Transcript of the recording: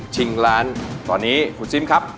ชิงล้านตอนนี้คุณซิมครับ